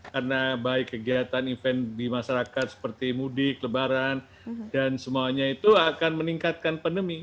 karena baik kegiatan event di masyarakat seperti mudik lebaran dan semuanya itu akan meningkatkan pandemi